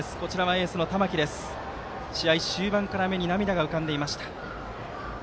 エースの玉木は試合終盤から目に涙が浮かんでいました。